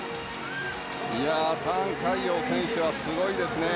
タン・カイヨウ選手はすごいですね。